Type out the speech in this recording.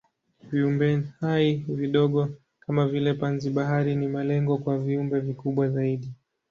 Viumbehai vidogo kama vile panzi-bahari ni malengo kwa viumbe vikubwa zaidi.